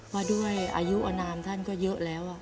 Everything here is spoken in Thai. ว่าด้วยอายุอนามท่านก็เยอะแล้ว